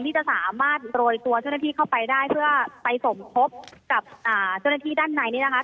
ที่จะสามารถโรยตัวเจ้าหน้าที่เข้าไปได้เพื่อไปสมทบกับเจ้าหน้าที่ด้านในนี้นะคะ